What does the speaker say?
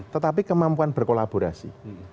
tetapi kemampuan berkolaborasi